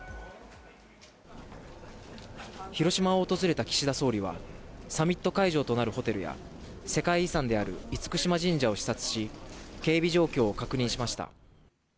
広島を訪れた岸田総理は、サミット会場となるホテルや、世界遺産である厳島神社を視察し、警備状況を確認しました。